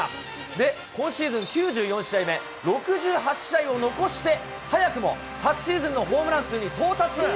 で、今シーズン９４試合目、６８試合を残して、早くも昨シーズンのホームラン数に到達。